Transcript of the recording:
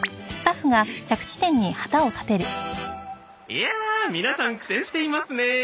いや皆さん苦戦していますね。